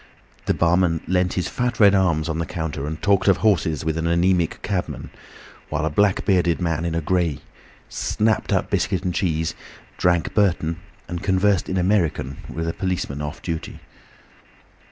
The barman leant his fat red arms on the counter and talked of horses with an anaemic cabman, while a black bearded man in grey snapped up biscuit and cheese, drank Burton, and conversed in American with a policeman off duty.